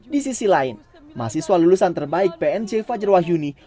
di sisi lain mahasiswa lulusan terbaik pnj fajar wahyuni